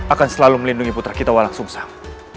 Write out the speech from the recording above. akan selalu melindungi putra kita walang sumsam